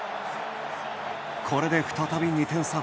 これで再び、２点差。